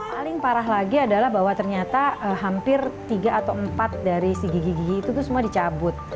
paling parah lagi adalah bahwa ternyata hampir tiga atau empat dari si gigi gigi itu semua dicabut